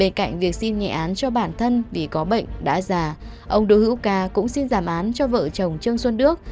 ông đức cho bản thân vì có bệnh đã già ông đỗ hữu ca cũng xin giảm án cho vợ chồng trương xuân đức